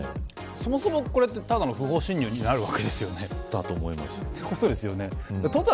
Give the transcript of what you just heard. そもそも、ただの不法侵入になるわけですよね。